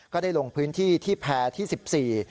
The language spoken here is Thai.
ก็ได้ลงพื้นที่ที่แผ่ที่๑๔